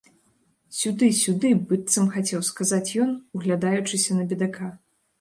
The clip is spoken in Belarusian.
Сюды, сюды, быццам хацеў сказаць ён, углядаючыся на бедака.